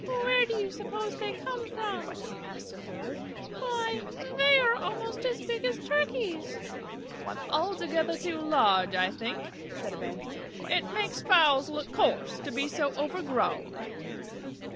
"Where do you suppose they came from?" asked a third. "Why, they are almost as big as Turkeys." "Altogether too large, I think," said a Bantam. "It makes fowls look coarse to be so overgrown."